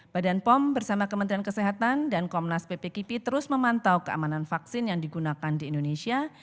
badan pom bersama kementerian kesehatan dan komnas ppkp terus memantau keamanan vaksin yang digunakan di indonesia